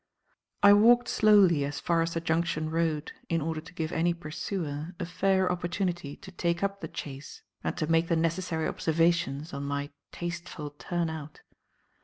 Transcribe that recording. I walked slowly as far as the Junction Road in order to give any pursuer a fair opportunity to take up the chase and to make the necessary observations on my tasteful turn out.